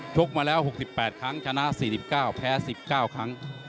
กมาแล้ว๖๘ครั้งชนะ๔๙แพ้๑๙ครั้ง